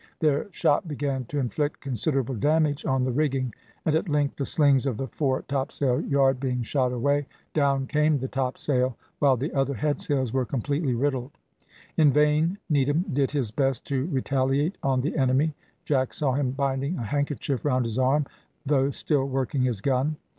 Their shot began to inflict considerable damage on the rigging, and at length the slings of the fore topsail yard being shot away, down came the topsail, while the other headsails were completely riddled. In vain Needham did his best to retaliate on the enemy. Jack saw him binding a handkerchief round his arm, though still working his gun.